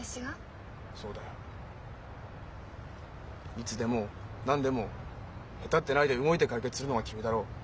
いつでも何でもへたってないで動いて解決するのが君だろ。